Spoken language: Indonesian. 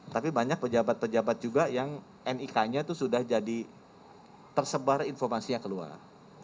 tapi banyak pejabat pejabat juga yang nik nya itu sudah jadi tersebar informasinya keluar